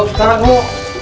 kok sekarang mau